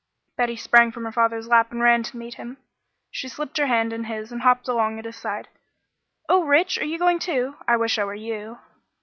Betty sprang from her father's lap and ran to meet him. She slipped her hand in his and hopped along at his side. "Oh, Rich! Are you going, too? I wish I were you."